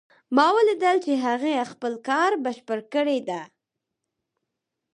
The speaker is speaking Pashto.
ما ولیدل چې هغې خپل کار بشپړ کړی ده